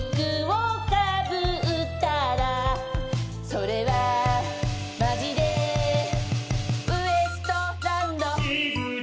「それはマジで」「ウエストランド」「井口」